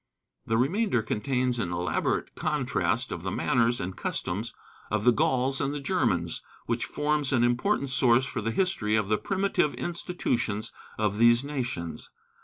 The remainder contains an elaborate contrast of the manners and customs of the Gauls and Germans, which forms an important source for the history of the primitive institutions of these nations.